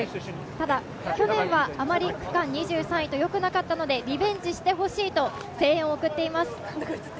ただ去年はあまり区間２３位とあまりよくなかったのでリベンジしてほしいと声援を送っています。